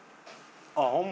あっホンマ？